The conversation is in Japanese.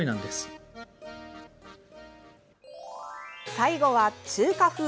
最後は中華風。